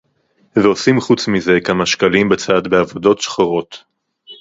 ועושים חוץ מזה כמה שקלים בצד בעבודות שחורות